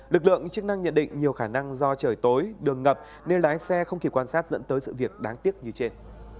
lực lượng chức năng nhận định nhiều khả năng do trời tối đường ngập nên lái xe không kịp quan sát dẫn tới sự việc đáng tiếc như trên